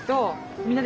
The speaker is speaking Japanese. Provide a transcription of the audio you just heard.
みんなで。